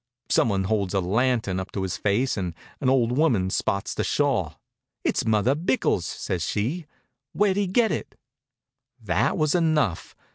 Some one holds a lantern up to his face and an old woman spots the shawl. "It's Mother Bickell's," says she. "Where did he get it?" That was enough.